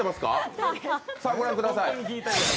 ご覧ください。